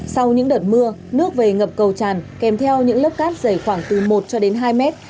sau những đợt mưa nước về ngập cầu tràn kèm theo những lớp cắt dày khoảng từ một hai mét